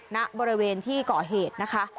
ณบริเวณที่ก่อเหตุนะคะ